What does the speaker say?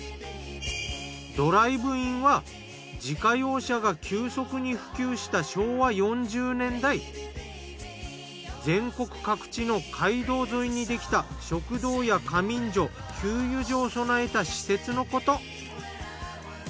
ドライブインは自家用車が急速に普及した昭和４０年代全国各地の街道沿いにできた食堂や仮眠所給油所を備えた施設のこと。